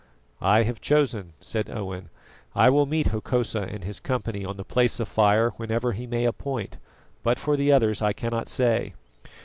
"I have chosen," said Owen. "I will meet Hokosa and his company on the Place of fire whenever he may appoint, but for the others I cannot say."